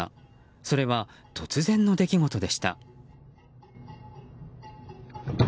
それは突然の出来事でした。